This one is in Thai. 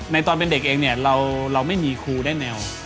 ตอนเป็นเด็กเองเนี่ยเราไม่มีครูได้แนว